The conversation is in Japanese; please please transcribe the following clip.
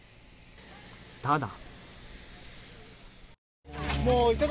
ただ。